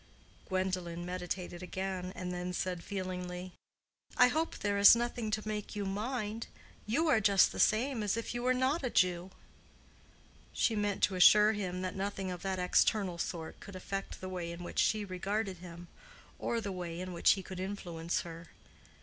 Gwendolen meditated again, and then said feelingly, "I hope there is nothing to make you mind. You are just the same as if you were not a Jew." She meant to assure him that nothing of that external sort could affect the way in which she regarded him, or the way in which he could influence her.